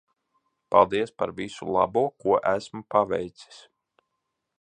Paldies par visu labo ko esmu paveicis.